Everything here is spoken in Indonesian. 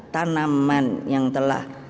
tanaman yang telah